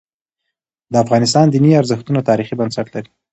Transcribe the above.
د افغانستان دیني ارزښتونه تاریخي بنسټ لري.